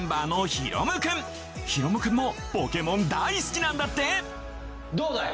大夢くんもポケモン大好きなんだってどうだい？